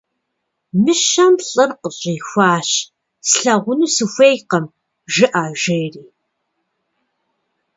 Мыщэм лӏыр къыщихуащ: - «Слъагъуну сыхуейкъым» жыӏэ, - жери.